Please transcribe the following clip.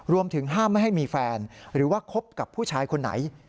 รวมถึงห้ามไม่ให้มีแฟนหรือว่าคบกับผู้ชายคนไหน